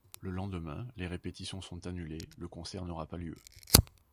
Le lendemain, les répétitions sont annulés, le concert n'aura pas lieu.